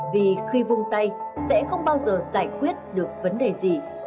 vì khi vung tay sẽ không bao giờ giải quyết được vấn đề gì